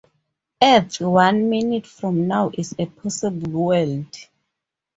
Earth one minute from now is a "possible world".